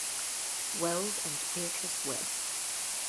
Wells and Beatrice Webb.